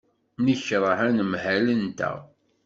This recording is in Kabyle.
Nekṛeh anemhal-nteɣ.